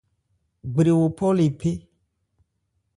Gbrewo phɔ̂ le phé.